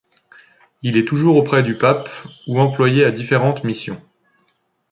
Il est toujours auprès du pape ou employé à différentes missions.